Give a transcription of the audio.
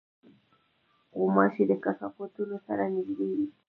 غوماشې د کثافاتو سره نزدې وي.